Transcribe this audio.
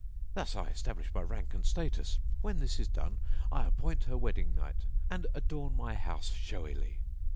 Thus I establish my rank and status. When this is done I appoint her wedding night and adorn my house showily!